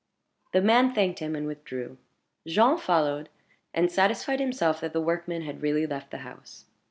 The man thanked him, and withdrew. Jean followed, and satisfied himself that the workman had really left the house.